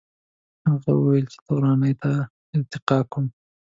هغه وویل چې تورنۍ ته ارتقا کوم.